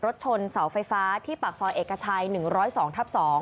รถชนเสาไฟฟ้าที่ปากซอยเอกชัย๑๐๒ทับ๒